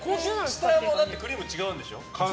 下もクリーム違うんでしょ？